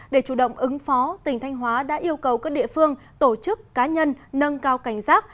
để chủ động ứng phó tỉnh thanh hóa đã yêu cầu các địa phương tổ chức cá nhân nâng cao cảnh giác